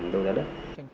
đầu giá đất